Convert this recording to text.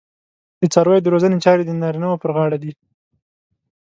د څارویو د روزنې چارې د نارینه وو پر غاړه دي.